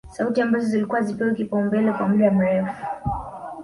Sauti ambazo zilikuwa hazipewi kipaumbele kwa muda mrefu